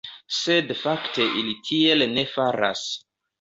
Sed fakte ili tiel ne faras.